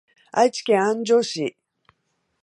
愛知県安城市